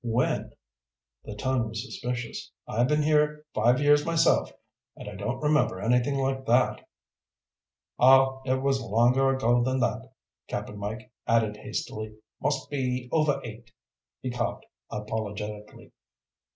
"When?" the tone was suspicious. "I've been here five years myself, and I don't remember anything like that." "Oh, it was longer ago than that," Cap'n Mike added hastily. "Must be over eight." He coughed apologetically.